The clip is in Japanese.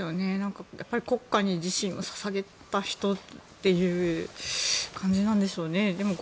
やっぱり国家に自身を捧げた人という感じなんでしょうね。